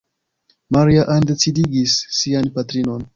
Maria-Ann decidigis sian patrinon.